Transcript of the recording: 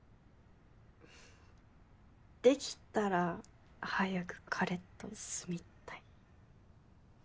できたら早く彼と住みたい。